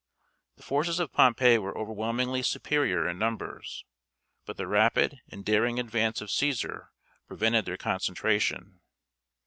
The forces of Pompey were overwhelmingly superior in numbers. But the rapid and daring advance of Cæsar prevented their concentration.